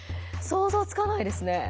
想像つかないですね。